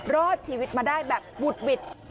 รอดชีวิตมาได้แบบวุดหวิด